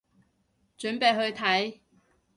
準備去睇